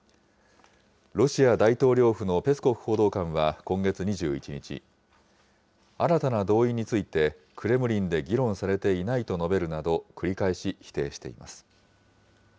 ロシア大統領府のペスコフ報道官は今月２１日、新たな動員についてクレムリンで議論されていないと述べるなど、繰り返し否定しています。